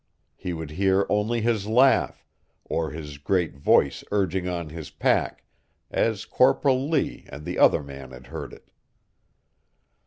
He would hear only his laugh, or his great voice urging on his pack, as Corporal Lee and the other man had heard it.